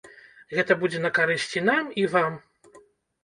Гэта будзе на карысць і нам, і вам.